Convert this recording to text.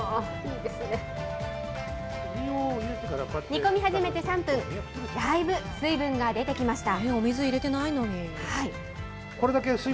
煮込み始めて３分、だいぶ水分が出てきました。